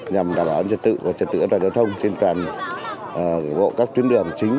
nhằm đảm bảo trật tự và trật tự ở đoàn giao thông trên toàn bộ các tuyến đường chính